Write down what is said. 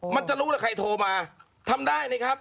มันจะรู้ว่าใครโทรมาทำได้ไหมครับ